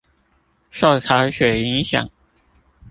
受潮水影響